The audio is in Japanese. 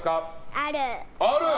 ある！